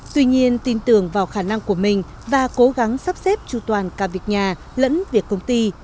tuy nhiên tin tưởng vào khả năng của mình và cố gắng sắp xếp tru toàn cả việc nhà lẫn việc công ty